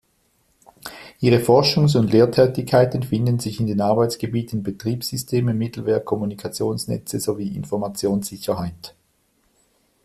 Ihre Forschungs- und Lehrtätigkeiten finden sich in den Arbeitsgebieten Betriebssysteme, Middleware, Kommunikationsnetze sowie Informationssicherheit.